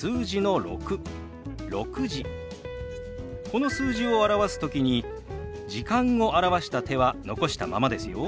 この数字を表す時に「時間」を表した手は残したままですよ。